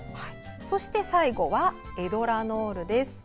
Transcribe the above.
最後はエドラノールです。